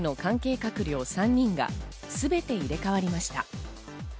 閣僚３人が全て入れ替わりました。